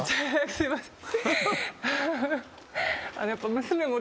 すいません。